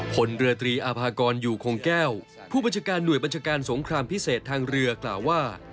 ผลเรือตรีอาภากรอยู่คงแก้วผู้บัญชาการหน่วยบัญชาการสงครามพิเศษทางเรือกล่าวว่า